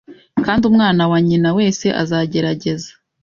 Kandi umwana wa nyina wese azagerageza